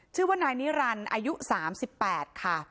ชื่อว่านายนิรันดิ์อายุ๓๘ค่ะ